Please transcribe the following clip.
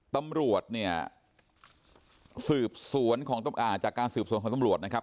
ตำรวจเนี่ยสืบสวนของจากการสืบสวนของตำรวจนะครับ